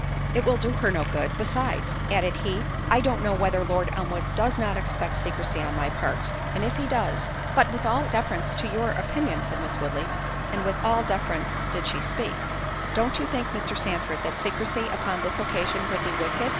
It will do her no good—besides," added he, "I don't know whether Lord Elmwood does not expect secrecy on my part; and if he does——" "But, with all deference to your opinion," said Miss Woodley, (and with all deference did she speak) "don't you think, Mr. Sandford, that secrecy upon this occasion would be wicked?